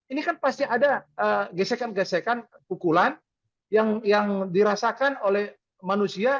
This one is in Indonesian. ini kan pasti ada gesekan gesekan pukulan yang dirasakan oleh manusia